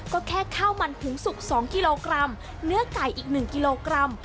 ก็แค่ข้าวมันถุงสุก๒กิโลกรัมเนื้อไก่อีก๑กิโลกรัม